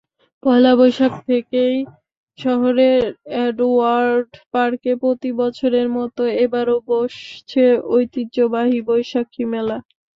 পয়লা বৈশাখ থেকেই শহরের এডওয়ার্ড পার্কে প্রতিবছরের মতো এবারও বসছে ঐতিহ্যবাহী বৈশাখী মেলা।